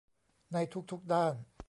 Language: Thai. ในทุกทุกด้าน